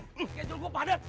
kejol gue padat